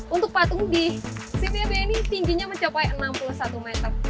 untuk patung di sini tingginya mencapai enam puluh satu meter